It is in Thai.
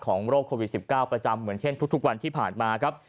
โรคโควิด๑๙ประจำเหมือนเช่นทุกวันที่ผ่านมาครับ